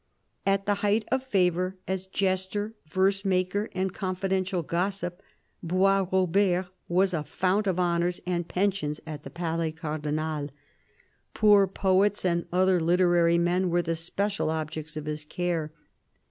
At the height of favour as jester, verse maker and confidential gossip, Boisrobert was a fount of honours and pensions at the Palais Cardinal. Poor poets and other literary men were the special objects of his care.